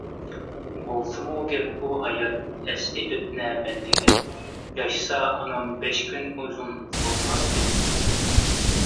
بولسىمۇ گەپ بۇ ھايات ئەسلى ئۆتنە بەندىگە، ياشىسا ئانام بەش كۈن ئۇزۇن بولماسمىدى؟ !